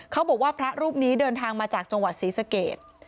เขาบอกว่าพระรูปนี้เดินทางมาจากจังหวัดศรีสเกต